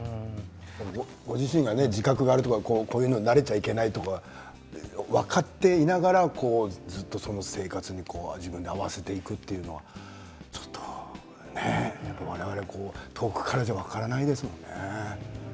ご自身が自覚があるとかこういうのに慣れてはいけないって分かっていながらそういう生活に合わせていくという、ちょっとね我々、遠くからじゃ分からないですよね。